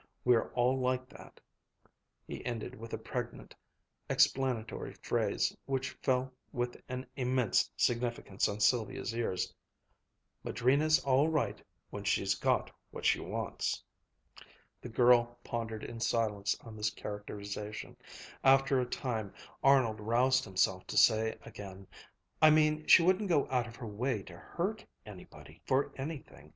We're all like that," he ended with a pregnant, explanatory phrase which fell with an immense significance on Sylvia's ear. "Madrina's all right when she's got what she wants." The girl pondered in silence on this characterization. After a time Arnold roused himself to say again: "I mean she wouldn't go out of her way to hurt anybody, for anything.